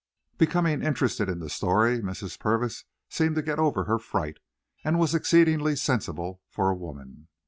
Becoming interested in the story, Mrs. Purvis seemed to get over her fright, and was exceedingly sensible for a woman.